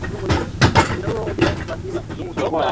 Mwimbaji alikuwa amengojewa sana.